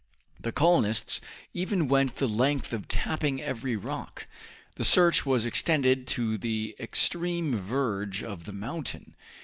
The colonists even went the length of tapping every rock. The search was extended to the extreme verge of the mountain.